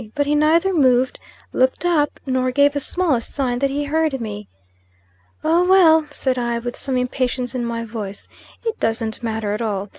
But he neither moved, looked up, nor gave the smallest sign that he heard me. "Oh, well," said I, with some impatience in my voice "it doesn't matter at all.